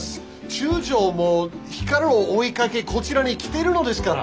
中将も光を追いかけこちらに来てるのですから。